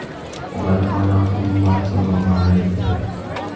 وَقَدْ قَالَ رَسُولُ اللَّهِ صَلَّى اللَّهُ عَلَيْهِ وَسَلَّمَ